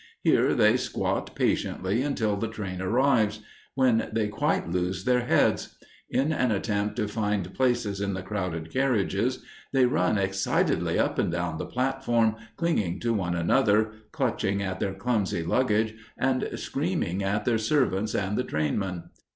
Here they squat patiently until the train arrives, when they quite lose their heads. In an attempt to find places in the crowded carriages, they run excitedly up and down the platform, clinging to one another, clutching at their clumsy luggage, and screaming at their servants and the trainmen.